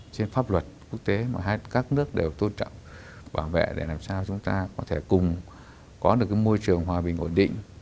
trên pháp luật quốc tế mà các nước đều tôn trọng bảo vệ để làm sao chúng ta có thể cùng có được môi trường hòa bình ổn định